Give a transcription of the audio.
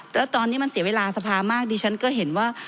แล้วตอนนี้มันเสียเวลาสภามากดิฉันก็เห็นว่า